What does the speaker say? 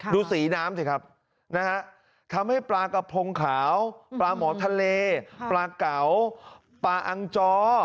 ดูสีน้ำสิครับนะฮะทำให้ปลากระพงขาวปลาหมอทะเลปลาเก๋าปลาอังจอ